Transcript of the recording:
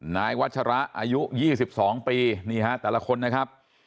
นายวัชราอายุยี่สิบสองปีนี่ฮะแต่ละคนนะครับ